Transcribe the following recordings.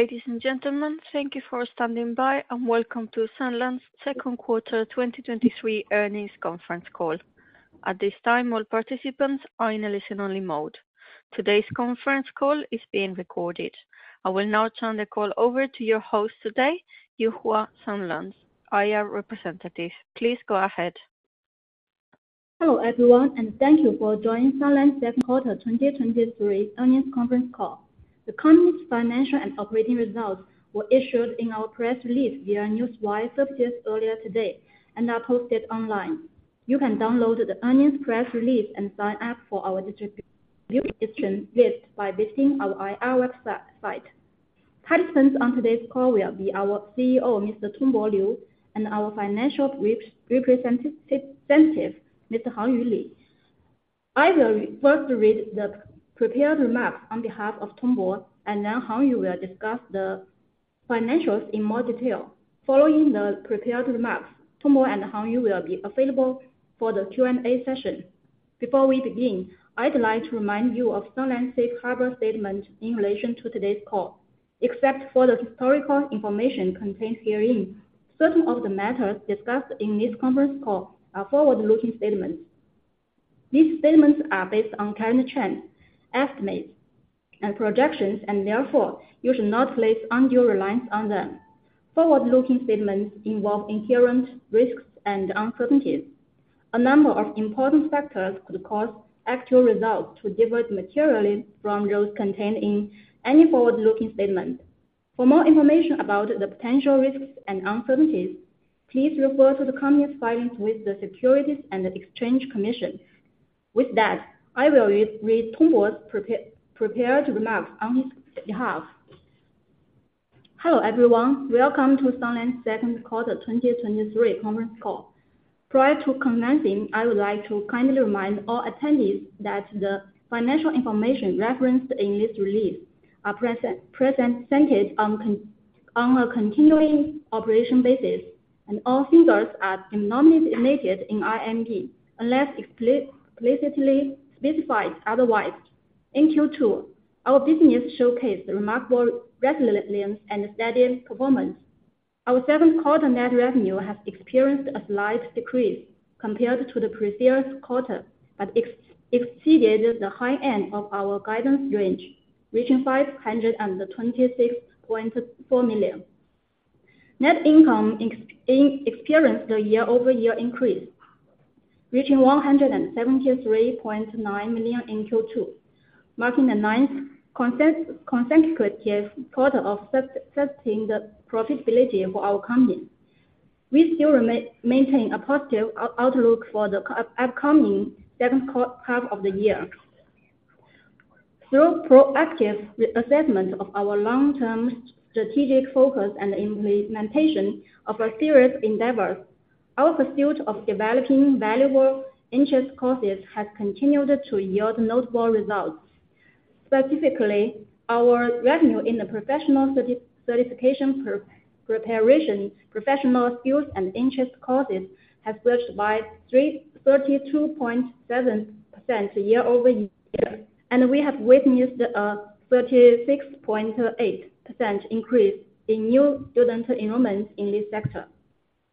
Ladies and gentlemen, thank you for standing by, and welcome to Sunlands Second Quarter 2023 Earnings Conference Call. At this time, all participants are in a listen-only mode. Today's conference call is being recorded. I will now turn the call over to your host today, Yuhua Ye, IR representative. Please go ahead. Hello, everyone, thank you for joining Sunlands Second Quarter 2023 Earnings Conference Call. The company's financial and operating results were issued in our press release via Newswire services earlier today and are posted online. You can download the earnings press release and sign up for our distribution list by visiting our IR website. Participants on today's call will be our CEO, Mr. Tongbo Liu, and our Financial Representative, Mr. Hangyu Li. I will first read the prepared remarks on behalf of Tongbo, and then Hangyu will discuss the financials in more detail. Following the prepared remarks, Tongbo and Hangyu will be available for the Q&A session. Before we begin, I'd like to remind you of Sunlands safe harbor statement in relation to today's call. Except for the historical information contained herein, certain of the matters discussed in this conference call are forward-looking statements. These statements are based on current trends, estimates, and projections, therefore, you should not place undue reliance on them. Forward-looking statements involve inherent risks and uncertainties. A number of important factors could cause actual results to differ materially from those contained in any forward-looking statement. For more information about the potential risks and uncertainties, please refer to the company's filings with the Securities and Exchange Commission. With that, I will re-read Tongbo's prepared remarks on his behalf. Hello, everyone. Welcome to Sunlands Second Quarter 2023 conference call. Prior to commencing, I would like to kindly remind all attendees that the financial information referenced in this release are presented on a continuing operation basis, all figures are denominate stated in RMB, unless explicitly specified otherwise. In Q2, our business showcased remarkable resilience and steady performance. Our second quarter net revenue has experienced a slight decrease compared to the previous quarter, but exceeded the high end of our guidance range, reaching 526.4 million. Net income experienced a year-over-year increase, reaching 173.9 million in Q2, marking the ninth consecutive quarter of sustaining the profitability for our company. We still maintain a positive outlook for the upcoming second half of the year. Through proactive assessment of our long-term strategic focus and implementation of our serious endeavors, our pursuit of developing valuable interest courses has continued to yield notable results. Specifically, our revenue in the professional certification, preparation, professional skills and interest courses have grown by 32.7% year-over-year, and we have witnessed a 36.8% increase in new student enrollments in this sector.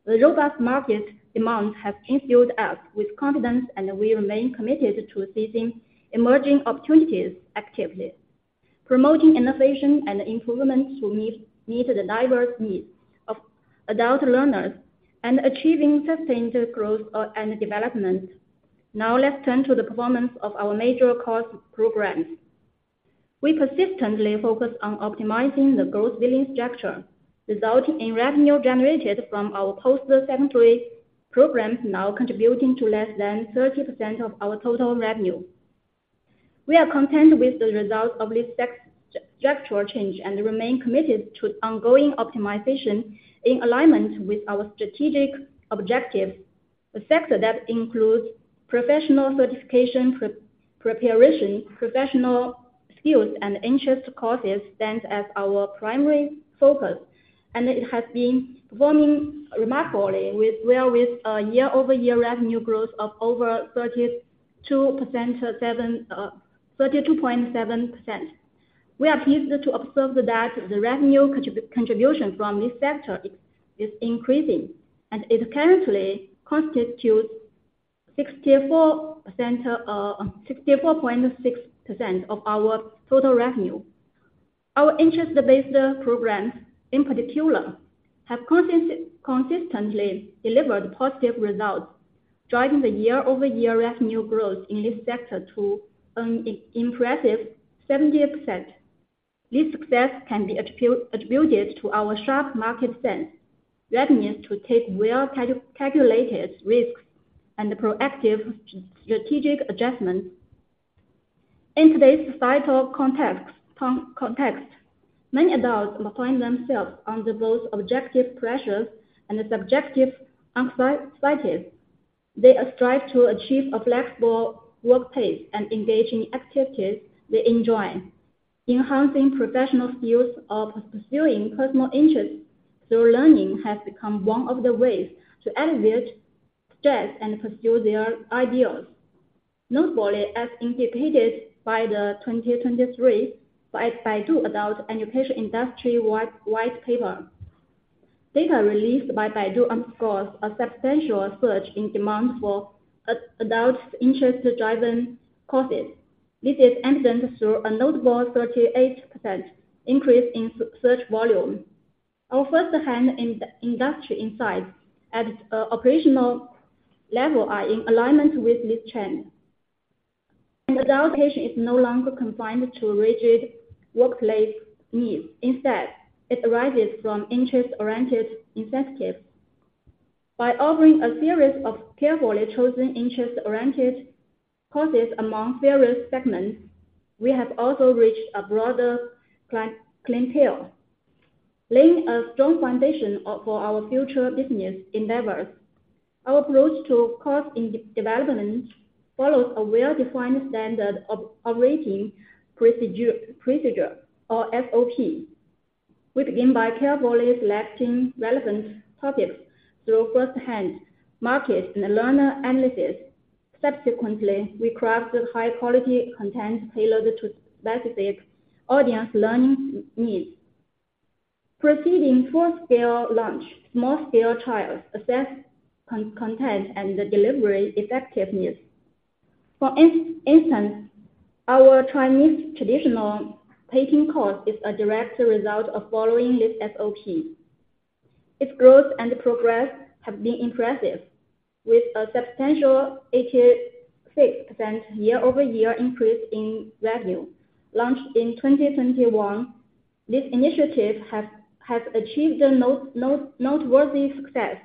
The robust market demand has infused us with confidence, and we remain committed to seizing emerging opportunities actively, promoting innovation and improvements to meet the diverse needs of adult learners, and achieving sustained growth and development. Now, let's turn to the performance of our major course programs. We persistently focus on optimizing the growth billing structure, resulting in revenue generated from our post-secondary programs now contributing to less than 30% of our total revenue. We are content with the results of this structural change and remain committed to ongoing optimization in alignment with our strategic objectives. The sector that includes professional certification, preparation, professional skills and interest courses, stands as our primary focus, and it has been performing remarkably well, with a year-over-year revenue growth of over 32.7%. We are pleased to observe that the revenue contribution from this sector is increasing, and it currently constitutes 64%, 64.6% of our total revenue. Our interest-based programs, in particular, have consistently delivered positive results, driving the year-over-year revenue growth in this sector to an impressive 70%. This success can be attributed to our sharp market sense, readiness to take well calculated risks, and proactive strategic adjustments. In today's societal context, many adults find themselves under both objective pressures and subjective uncertainties. They strive to achieve a flexible workplace and engage in activities they enjoy. Enhancing professional skills or pursuing personal interests through learning, has become one of the ways to alleviate stress and pursue their ideals. Notably, as indicated by the 2023 Baidu Adult Training Industry White Paper, data released by Baidu underscores a substantial surge in demand for adult interest-driven courses. This is evident through a notable 38% increase in search volume. Our first-hand industry insights at a operational level are in alignment with this trend. Adult education is no longer confined to rigid workplace needs. Instead, it arises from interest-oriented incentives. By offering a series of carefully chosen interest-oriented courses among various segments, we have also reached a broader clientele, laying a strong foundation for our future business endeavors. Our approach to course development follows a well-defined standard of operating procedure or SOP. We begin by carefully selecting relevant topics through first-hand market and learner analysis. Subsequently, we craft high-quality content tailored to specific audience learning needs. Proceeding full scale launch, small scale trials assess content and the delivery effectiveness. For instance, our Chinese traditional painting course is a direct result of following this SOP. Its growth and progress have been impressive, with a substantial 86% year-over-year increase in revenue. Launched in 2021, this initiative has achieved a noteworthy success,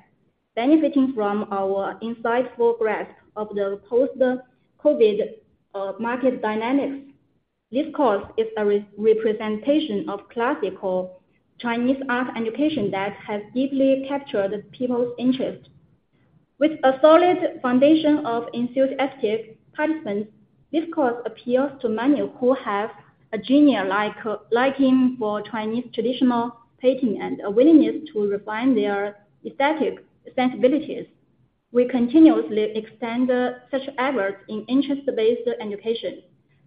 benefiting from our insightful grasp of the post-COVID market dynamics. This course is a representation of classical Chinese art education that has deeply captured people's interest. With a solid foundation of enthusiastic participants, this course appeals to many who have a genuine, like, liking for Chinese traditional painting, and a willingness to refine their aesthetic sensibilities. We continuously extend such efforts in interest-based education.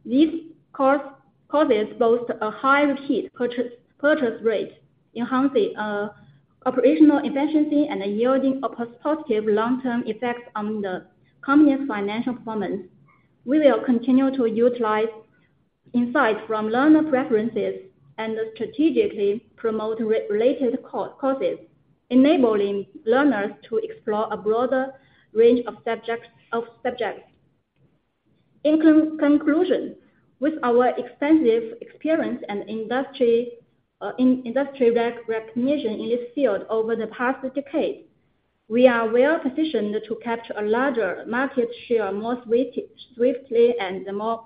These courses boast a high repeat purchase rate, enhancing operational efficiency and yielding a positive long-term effects on the company's financial performance. We will continue to utilize insights from learner preferences, and strategically promote related courses, enabling learners to explore a broader range of subjects, of subjects. In conclusion, with our extensive experience and industry recognition in this field over the past decade, we are well positioned to capture a larger market share more swiftly and more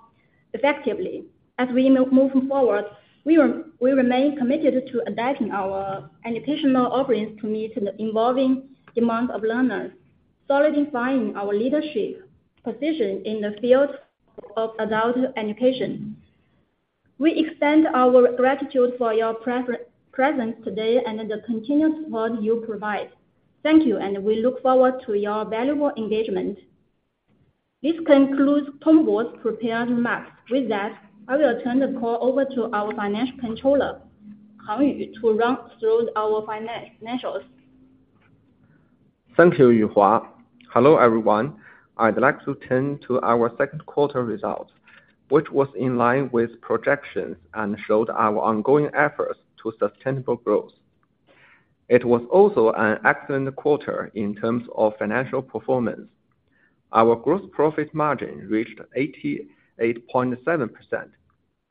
effectively. As we move forward, we remain committed to adapting our educational offerings to meet the evolving demands of learners, solidifying our leadership position in the field of adult education. We extend our gratitude for your presence today, and the continuous support you provide. Thank you, and we look forward to your valuable engagement. This concludes Tongbo's prepared remarks. With that, I will turn the call over to our Financial Controller, Hang Yu, to run through our financials. Thank you, Yuhua. Hello, everyone. I'd like to turn to our second quarter results, which was in line with projections and showed our ongoing efforts to sustainable growth. It was also an excellent quarter in terms of financial performance. Our gross profit margin reached 88.7%,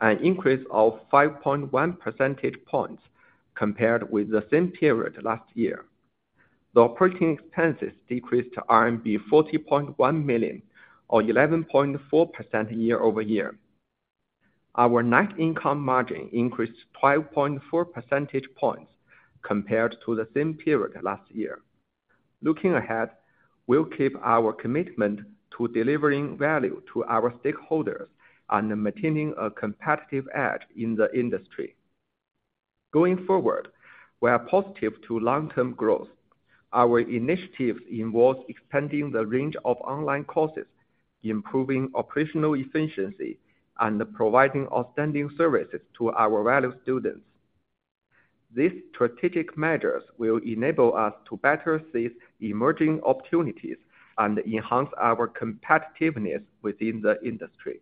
an increase of 5.1 percentage points compared with the same period last year. The operating expenses decreased to RMB 40.1 million or 11.4% year-over-year. Our net income margin increased 12.4 percentage points compared to the same period last year. Looking ahead, we'll keep our commitment to delivering value to our stakeholders and maintaining a competitive edge in the industry. Going forward, we are positive to long-term growth. Our initiatives involve expanding the range of online courses, improving operational efficiency, and providing outstanding services to our valued students. These strategic measures will enable us to better seize emerging opportunities and enhance our competitiveness within the industry.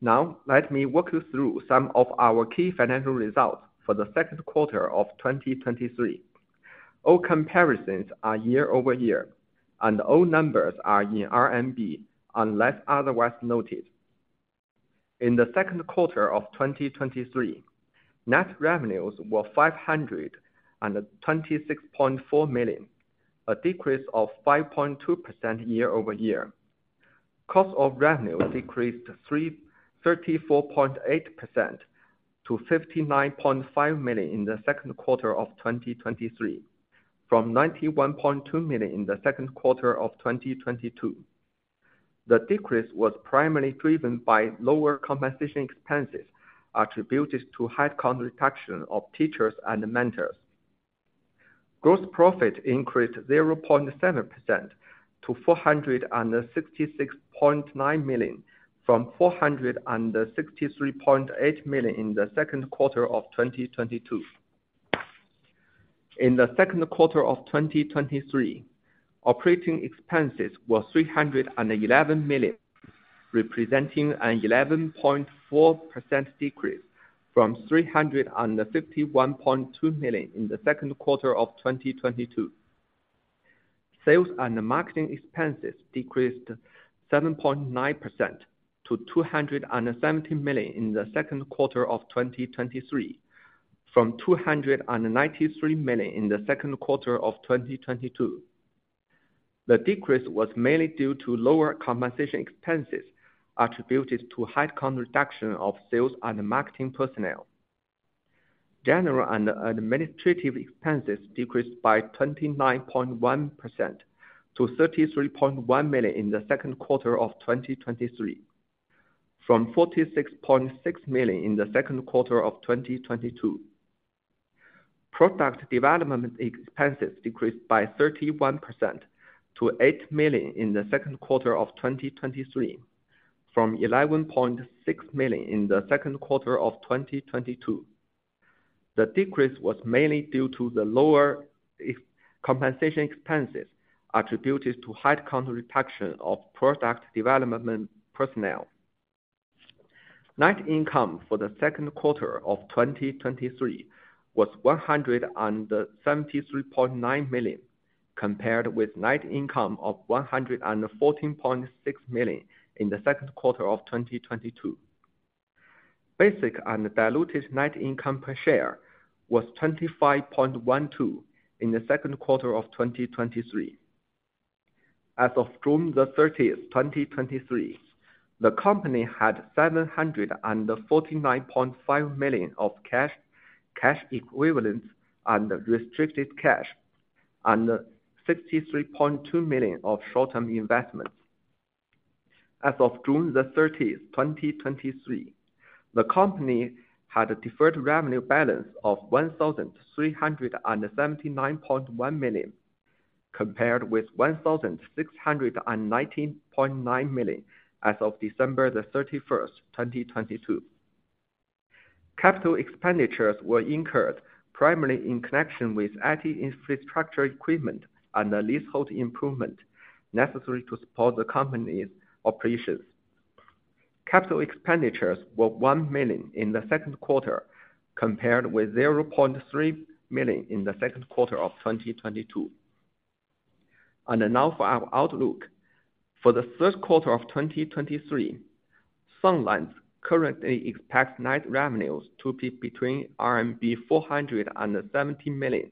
Now, let me walk you through some of our key financial results for the second quarter of 2023. All comparisons are year-over-year, and all numbers are in RMB, unless otherwise noted. In the second quarter of 2023, net revenues were 526.4 million, a decrease of 5.2% year-over-year. Cost of revenue decreased 34.8% to 59.5 million in the second quarter of 2023, from 91.2 million in the second quarter of 2022. The decrease was primarily driven by lower compensation expenses, attributed to headcount reduction of teachers and mentors....Gross profit increased zero point seven percent to four hundred and sixty-six point nine million, from four hundred and sixty-three point eight million in the second quarter of twenty twenty-two. In the second quarter of twenty twenty-three, operating expenses were three hundred and eleven million, representing an eleven point four percent decrease from three hundred and fifty-one point two million in the second quarter of twenty twenty-two. Sales and marketing expenses decreased seven point nine percent to two hundred and seventy million in the second quarter of twenty twenty-three, from two hundred and ninety-three million in the second quarter of twenty twenty-two. The decrease was mainly due to lower compensation expenses, attributed to head count reduction of sales and marketing personnel. General and administrative expenses decreased by 29.1% to 33.1 million in the second quarter of 2023, from 46.6 million in the second quarter of 2022. Product development expenses decreased by 31% to 8 million in the second quarter of 2023, from 11.6 million in the second quarter of 2022. The decrease was mainly due to the lower compensation expenses, attributed to head count reduction of product development personnel. Net income for the second quarter of 2023 was 173.9 million, compared with net income of 114.6 million in the second quarter of 2022. Basic and diluted net income per share was 25.12 in the second quarter of 2023. As of June 30, 2023, the company had 749.5 million of cash, cash equivalents, and restricted cash, and 63.2 million of short-term investments. As of June 30, 2023, the company had a deferred revenue balance of 1,379.1 million, compared with 1,619.9 million as of December 31, 2022. Capital expenditures were incurred primarily in connection with IT infrastructure equipment and a leasehold improvement necessary to support the company's operations. Capital expenditures were 1 million in the second quarter, compared with 0.3 million in the second quarter of 2022. Now for our outlook. For the third quarter of 2023, Sunland currently expects net revenues to be between RMB 470 million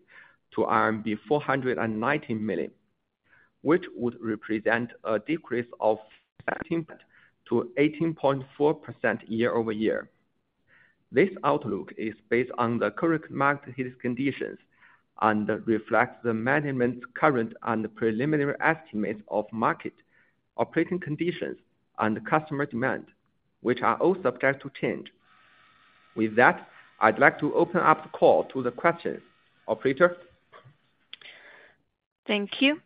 to RMB 490 million, which would represent a decrease of 17%-18.4% year-over-year. This outlook is based on the current market conditions and reflects the management's current and preliminary estimates of market operating conditions and customer demand, which are all subject to change. With that, I'd like to open up the call to the questions. Operator? Thank you.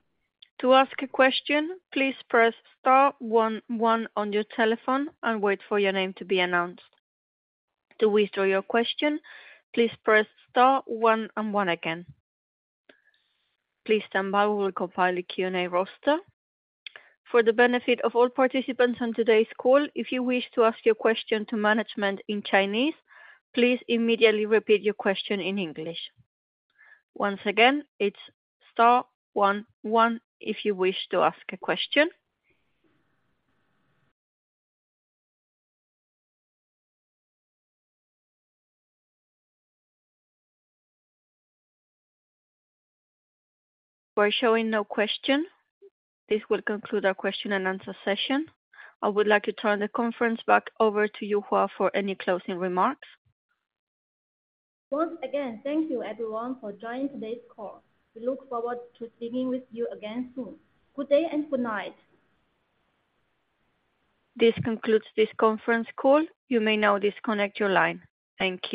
To ask a question, please press star one one on your telephone and wait for your name to be announced. To withdraw your question, please press star one and one again. Please stand by while we compile a Q&A roster. For the benefit of all participants on today's call, if you wish to ask your question to management in Chinese, please immediately repeat your question in English. Once again, it's star one one if you wish to ask a question. We're showing no question. This will conclude our question and answer session. I would like to turn the conference back over to Yuhua for any closing remarks. Once again, thank you everyone for joining today's call. We look forward to speaking with you again soon. Good day and good night. This concludes this conference call. You may now disconnect your line. Thank you.